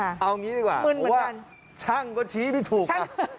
เอางี้ดีกว่าเพราะว่าช่างก็ชี้ไม่ถูก